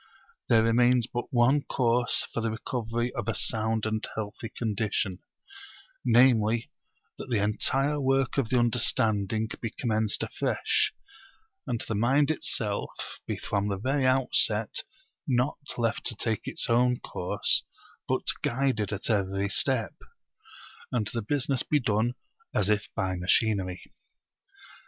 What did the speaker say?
There remains but one course for the recovery of a sound and healthy condition, namely, that the entire work of the understanding be commenced afresh, and the mind itself be from the very outset not left to take its own course, but guided at every step; and the business be done as if by machinery.